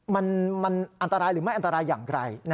มันอันตรายหรือไม่อันตรายอย่างไร